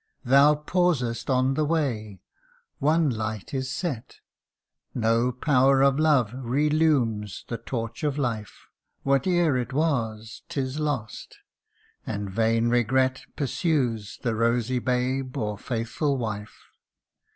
Thou pausest on thy way one light is set No power of love relumes the torch of life ; Whatever it was, 'tis lost and vain regret Pursues the rosy babe, or faithful wife.